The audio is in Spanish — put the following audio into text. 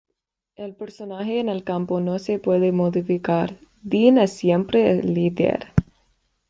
El personaje en el campo no se puede modificar; Dean es siempre el líder.